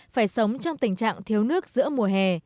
phải sống trong tình trạng thiếu nước giữa mùa hè